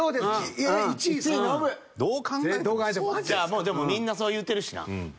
じゃあもうでもみんなそう言うてるしな。